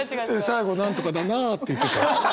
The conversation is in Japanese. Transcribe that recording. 最後何とか「だなぁ」って言ってたよ。